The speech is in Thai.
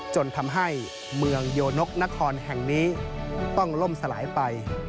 จนทำให้เมืองโยนกนครแห่งนี้ต้องล่มสลายไป